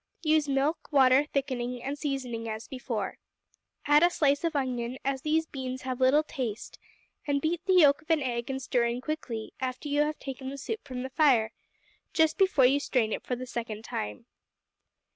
Use milk, water, thickening, and seasoning as before. Add a slice of onion, as these beans have little taste, and beat the yolk of an egg and stir in quickly, after you have taken the soup from the fire, just before you strain it for the second time.